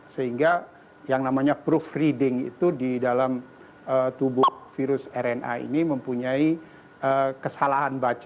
sehingga yang namanya proofreeding itu di dalam tubuh virus rna ini mempunyai kesalahan baca